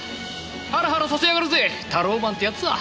ハラハラさせやがるぜタローマンってやつは。